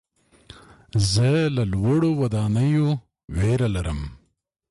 زه له لوړو ودانیو ویره لرم.